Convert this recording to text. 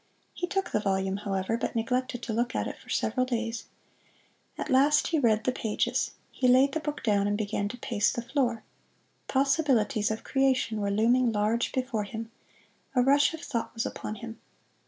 He took the volume, however, but neglected to look at it for several days. At last he read the pages. He laid the book down and began to pace the floor. Possibilities of creation were looming large before him a rush of thought was upon him.